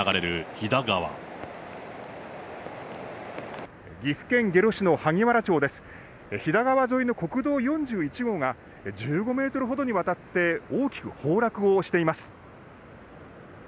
飛騨川沿いの国道４１号が、１５メートルほどにわたって大きく崩落をしています。